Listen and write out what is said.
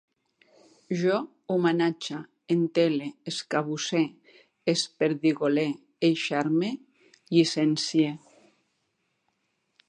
Jo homenatge, entele, escabusse, esperdigole, eixarme, llicencie